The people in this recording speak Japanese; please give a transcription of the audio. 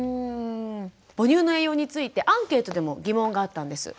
母乳の栄養についてアンケートでも疑問があったんです。